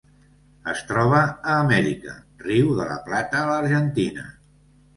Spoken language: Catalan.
Es troba a Amèrica: riu de la Plata a l'Argentina.